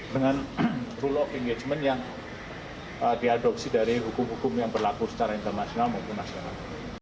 dengan rule of engagement yang diadopsi dari hukum hukum yang berlaku secara internasional maupun nasional